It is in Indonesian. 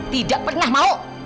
tidak pernah mau